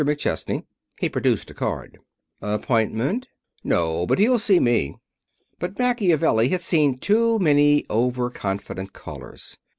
McChesney." He produced a card. "Appointment?" "No but he'll see me." But Machiavelli had seen too many overconfident callers.